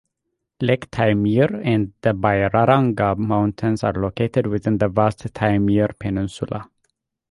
Lake Taymyr and the Byrranga Mountains are located within the vast Taymyr Peninsula.